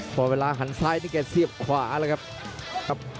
พอเวลาหันซ้ายนี่แกเสียบขวาแล้วครับ